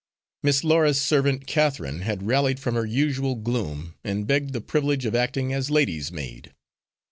Miss Laura's servant Catherine had rallied from her usual gloom and begged the privilege of acting as lady's maid.